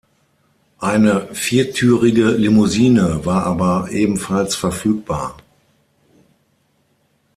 Eine viertürige Limousine war aber ebenfalls verfügbar.